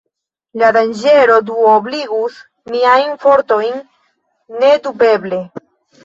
La danĝero duobligus miajn fortojn, nedubeble.